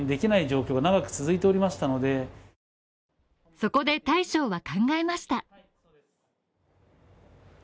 そこで大将は考えました。